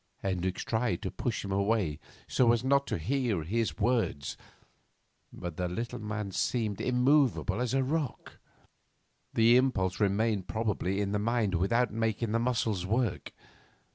Hendricks tried to push him away so as not to hear the words; but the little man seemed immovable as a rock. The impulse remained probably in the mind without making the muscles work.